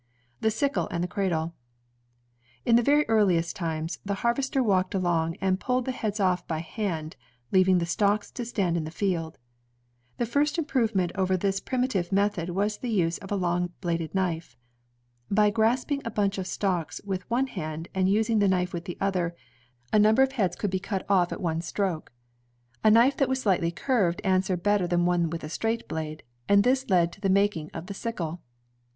The Sickle and the Cradle In the very earliest times, the harvester walked along and pulled the heads off by hand, leaving the stalks to stand in the field. The first improvement over this prim itive method was the use of a long bladed knife. By grasping a bunch of stalks with one hand, and using the knife with the other, a number of heads could be cut off 142 i CYRUS H. MCCORMICK 143 at one stroke. A knife that was slightly curved answered better than one with a straight blade, and this led to the making of the sickle.